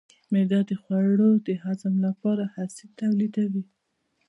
معده د خوړو د هضم لپاره اسید تولیدوي.